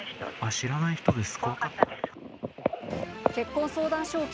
知らない人です。